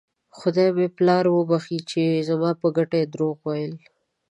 خدای مې پلار وبښي چې زما په ګټه یې درواغ ویل.